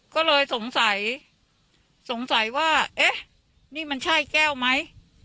ก็เลยสงสัยสงสัยว่าเอ๊ะนี่มันใช่แก้วไหม